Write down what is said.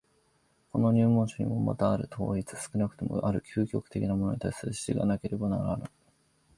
この入門書にもまたある統一、少なくともある究極的なものに対する指示がなければならぬ。